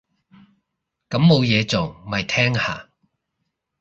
咁冇嘢做，咪聽下